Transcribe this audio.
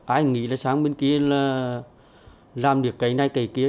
ai nghĩ là sang bên kia là làm được cái này cây kia